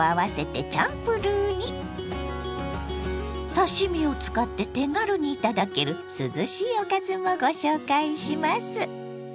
刺身を使って手軽に頂ける涼しいおかずもご紹介します。